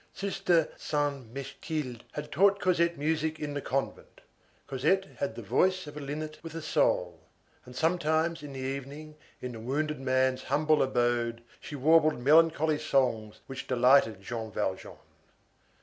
Sister Sainte Mechtilde had taught Cosette music in the convent; Cosette had the voice of a linnet with a soul, and sometimes, in the evening, in the wounded man's humble abode, she warbled melancholy songs which delighted Jean Valjean.